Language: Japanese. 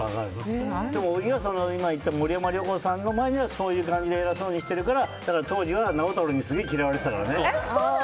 でも、森山良子さんの前ではそういう感じで偉そうにしてるから当時は当時は直太朗にすごい嫌われてたからね。